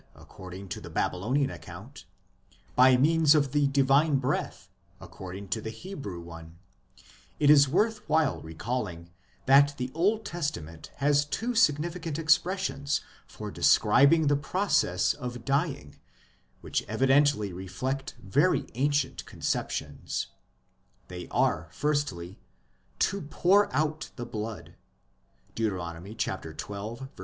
IMMORTALITY THE NORMAL LOT OF MAN 199 according to the Babylonian account, by means of the divine breath, according to the Hebrew one it is worth while recalling that the Old Testament has two significant expressions for describing the process of dying which evidently reflect very ancient conceptions ; they are firstly, " to pour out the blood " (Deut. xii.